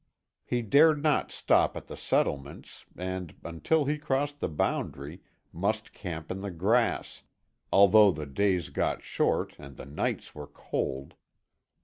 He dared not stop at the settlements and, until he crossed the boundary, must camp in the grass, although the days got short and the nights were cold.